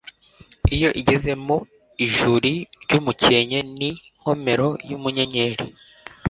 Iyo igeze mu ijuri ry' umukenke n,inkomero y,umunyereri